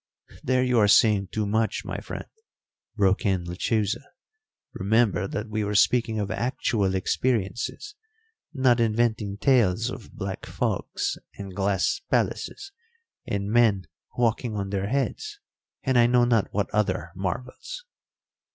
"There you are saying too much, my friend," broke in Lechuza. "Remember that we were speaking of actual experiences, not inventing tales of black fogs and glass palaces and men walking on their heads, and I know not what other marvels."